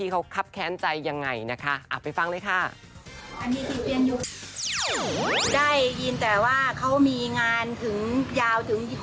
เขาครับแค้นใจยังไงนะคะ